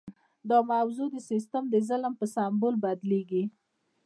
دا موضوع د سیستم د ظلم په سمبول بدلیږي.